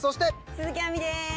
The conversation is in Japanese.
鈴木亜美です。